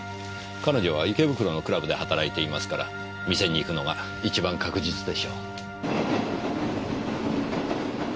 彼女は池袋のクラブで働いていますから店に行くのが一番確実でしょう。